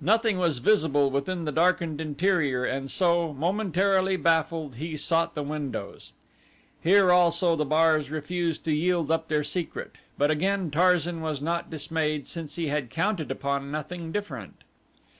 Nothing was visible within the darkened interior and so, momentarily baffled, he sought the windows. Here also the bars refused to yield up their secret, but again Tarzan was not dismayed since he had counted upon nothing different.